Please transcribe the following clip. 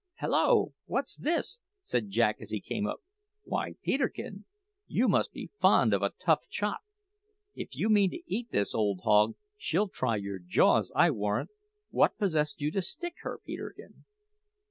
"Hallo! what's this?" said Jack as he came up. "Why, Peterkin, you must be fond of a tough chop. If you mean to eat this old hog, she'll try your jaws, I warrant. What possessed you to stick her, Peterkin?"